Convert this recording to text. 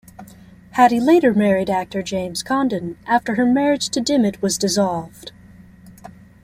Haddy later married actor James Condon after her marriage to Dimmitt was dissolved.